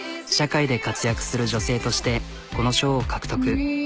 社会で活躍する女性としてこの賞を獲得。